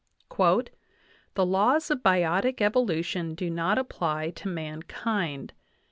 "The laws of biotic evolution do not apply to mankind.